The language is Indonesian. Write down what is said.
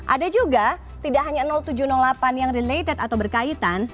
ada juga tidak hanya tujuh ratus delapan yang related atau berkaitan